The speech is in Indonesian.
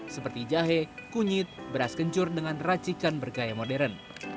seperti jahe kunyit beras kencur dengan racikan bergaya modern